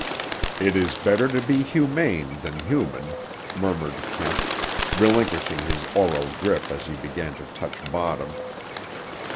"It is better to be humane than human," murmured Kent, relinquishing his aural grip as he began to touch bottom.